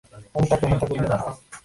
আমি তাকে হত্যা করব।